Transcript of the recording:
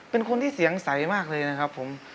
เป็นคนที่เสียงใสมากเลยนะครับผม